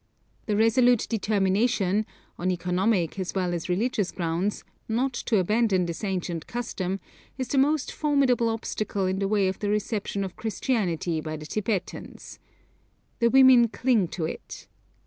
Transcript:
The resolute determination, on economic as well as religious grounds, not to abandon this ancient custom, is the most formidable obstacle in the way of the reception of Christianity by the Tibetans. The women cling to it.